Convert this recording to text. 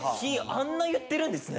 あんな言ってるんですね